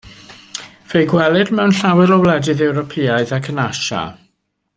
Fe'i gwelir mewn llawer o wledydd Ewropeaidd ac yn Asia.